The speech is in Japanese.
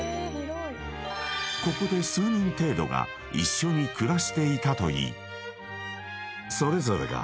［ここで数人程度が一緒に暮らしていたといいそれぞれが］